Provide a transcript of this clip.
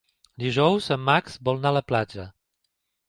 Dijous en Max vol anar a la platja.